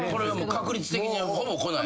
確率的にはほぼ来ない？